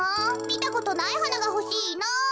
みたことないはながほしいな。